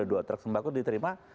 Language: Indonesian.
dua truk sembako diterima